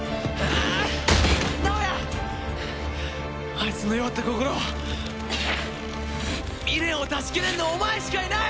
あいつの弱った心を未練を断ち切れるのはお前しかいない！